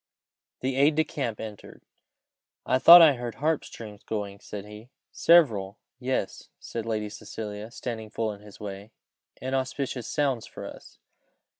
The aide de camp entered. "I thought I heard harp strings going," said he. "Several! yes," said Lady Cecilia, standing full in his way. "Inauspicious sounds for us!